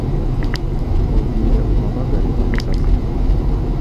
Mubwire umpamagare ejo saa sita.